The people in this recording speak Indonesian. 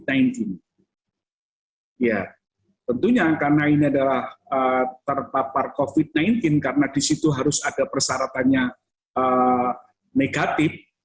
ya tentunya karena ini adalah terpapar covid sembilan belas karena di situ harus ada persyaratannya negatif